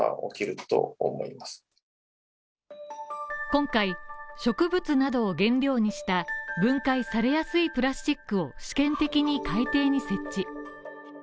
今回、植物などを原料にした分解されやすいプラスチックを試験的に海底に設置。